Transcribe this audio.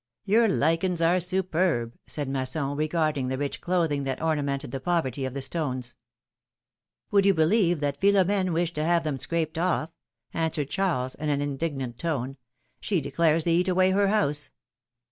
^^Your lichens are superb,^^ said Masson, regarding the rich clothing that ornamented the poverty of the stones. Would you believe that Philom^ne wished to have them scraped oflp?^^ answered Charles, in an indignant tone. She declares they eat away her house